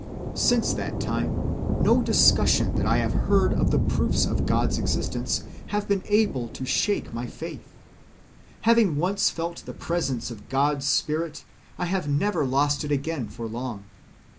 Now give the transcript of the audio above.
Since that time no discussion that I have heard of the proofs of God's existence has been able to shake my faith. Having once felt the presence of God's spirit, I have never lost it again for long.